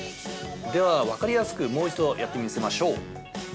では、分かりやすく、もう一度やってみせましょう。